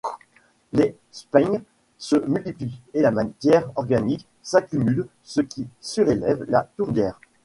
Les sphaignes se multiplient et la matière organique s'accumule ce qui surélève la tourbière.